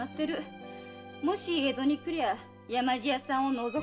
もし江戸に来りゃ山路屋さんをのぞくはずだってね。